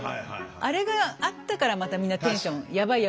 あれがあったからまたみんなテンションヤバい